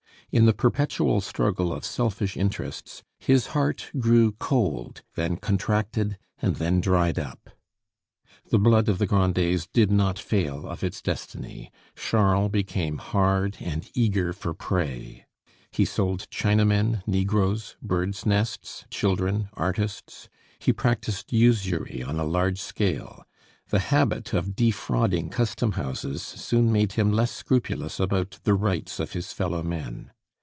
In the perpetual struggle of selfish interests his heart grew cold, then contracted, and then dried up. The blood of the Grandets did not fail of its destiny; Charles became hard, and eager for prey. He sold Chinamen, Negroes, birds' nests, children, artists; he practised usury on a large scale; the habit of defrauding custom houses soon made him less scrupulous about the rights of his fellow men.